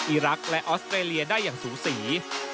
อีรักษ์และออสเตรเลียได้อย่างสูสี